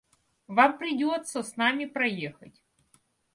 Вам придется с нами проехать.